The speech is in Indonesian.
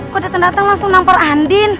kau dateng dateng langsung nampar andin